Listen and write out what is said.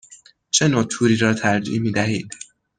چه نوع توری را ترجیح می دهید؟